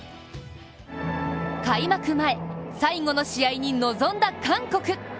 開幕前、最後の試合に臨んだ韓国。